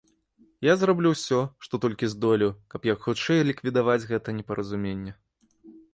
Я зраблю ўсё, што толькі здолею, каб як хутчэй ліквідаваць гэта непаразуменне.